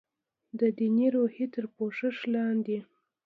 د دیني روحیې تر پوښښ لاندې.